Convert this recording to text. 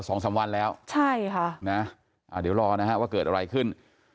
ก็๒๓วันแล้วนะครับอ่าเดี๋ยวรอนะครับว่าเกิดอะไรขึ้น